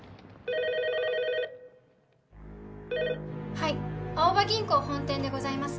はい青葉銀行本店でございます。